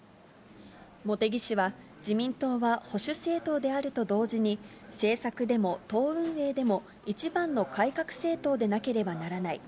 茂木氏は、自民党は保守政党であると同時に、政策でも党運営でも一番の改革政党でなければならない。